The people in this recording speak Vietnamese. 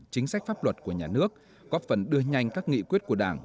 chính sách pháp luật của nhà nước góp phần đưa nhanh các nghị quyết của đảng